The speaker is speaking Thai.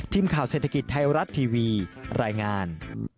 ทีมข่าวเศรษฐกิจไทยรัฐทีวีรายงาน